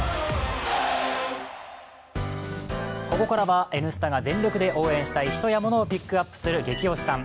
ここからは「Ｎスタ」が全力で応援したい人や物をピックアップするゲキ推しさん。